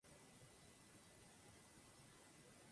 Es un especialista en dobles.